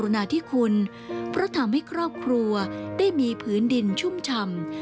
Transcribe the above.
นาธิคุณเพราะทำให้ครอบครัวได้มีพื้นดินชุ่มชำ